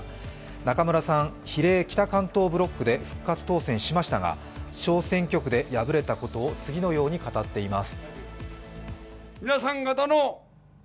中村さん、比例北関東ブロックで復活当選しましたが小選挙区で敗れたことを次のように語っています。